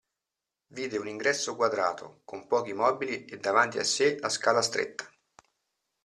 Vide un ingresso quadrato, con pochi mobili e davanti a sé la scala stretta.